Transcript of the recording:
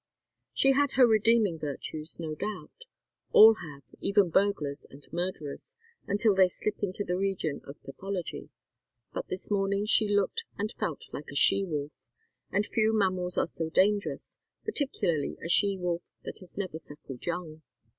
She had her redeeming virtues, no doubt; all have, even burglars and murderers, until they slip into the region of pathology; but this morning she looked and felt like a she wolf; and few mammals are so dangerous, particularly a she wolf that has never suckled young.